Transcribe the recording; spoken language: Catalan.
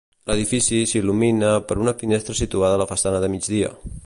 L'edifici s'il·lumina per una finestra situada a la façana de migdia.